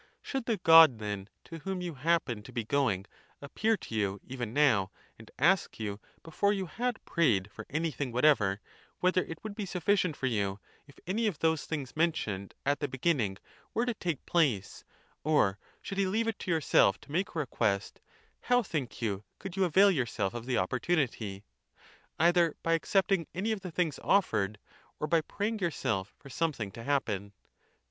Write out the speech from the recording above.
® [18. ] Should the god then, to whom you happen to be going, appear to you even now, and ask you, before you had prayed for any thing whatever, whether it would be sufficient for you, if any of those things, mentioned at the beginning, were to take place; or should he leave it to yourself to make a request, how, think you, could you avail yourself of the opportunity ? either by accepting any of the things offered, or by praying yourself for something to happen